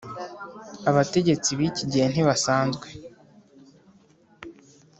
Abategetsi bikigihe ntibasanzwe